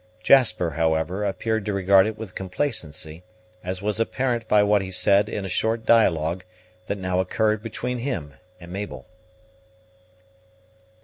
Jasper, however, appeared to regard it with complacency, as was apparent by what he said in a short dialogue that now occurred between him and Mabel.